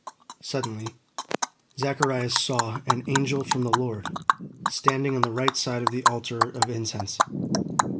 Suddenly, Zacharias saw an angel from the Lord, standing on the right side of the altar of incense.